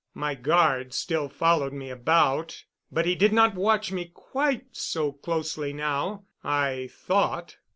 My guard still followed me about, but he did not watch me quite so closely now, I thought.